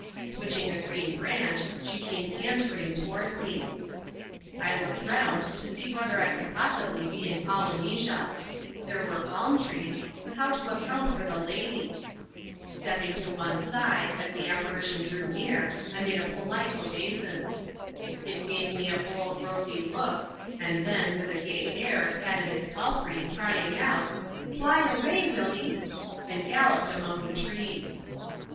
Switching a green branch, she came cantering towards me. I looked round to see whether I could possibly be in Poly nesia. There ^were the palm trees ; but how to account for the lady ? Stepping to one side, as the apparition drew near, I made a polite obeisance. It gave me a bold, rosy look ; and then, with a gay air, patted its palfrey, crying out, "Fly away, Willie T' and galloped among the trees.